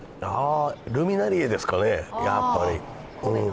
ルミナリエですかね、やっぱり。